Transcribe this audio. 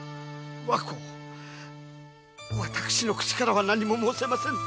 和子私の口からは何も申せませぬ。